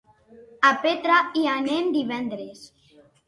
A Petra hi anem divendres.